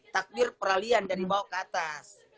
takbir peralian dan dibawa ke atas